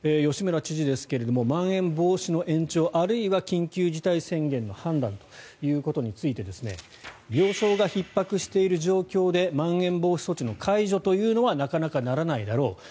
吉村知事ですがまん延防止の延長あるいは緊急事態宣言の判断ということについて病床がひっ迫している状況でまん延防止措置の解除というのはなかなかならないだろう。